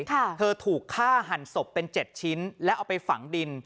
เธอถูกฆ่าหันศพเป็นเจ็ดชิ้นแล้วเอาไปฝังดิน